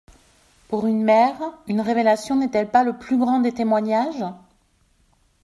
Pour une mère, une révélation n’est-elle pas le plus grand des témoignages ?